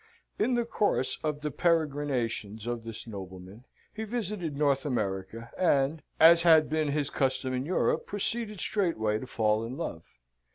In the course of the peregrinations of this nobleman, he visited North America, and, as had been his custom in Europe, proceeded straightway to fall in love.